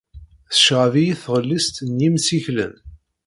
Tecɣeb-iyi tɣellist n yimsiklen.